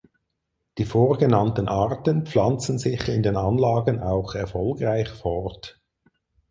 Die vorgenannten Arten pflanzen sich in den Anlagen auch erfolgreich fort.